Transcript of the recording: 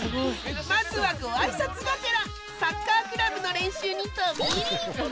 まずはご挨拶がてらサッカークラブの練習に飛び入り！